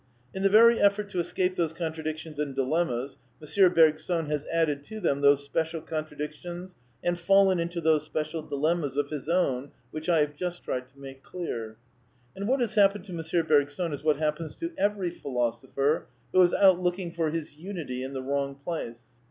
In the very effort to escape those contradictions and dilemmas M. Bergson has added to them those special contradictions and fallen into those special dilemmas of his own which I have just tried to make clear. And what has happened to M. Bergson is what happens to every philosopher who is out looking for his unity in the wrong place.